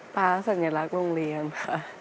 ฟ้าสัญลักษณ์โรงเรียนค่ะ